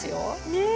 ねえ！